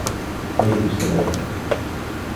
أريد السلام.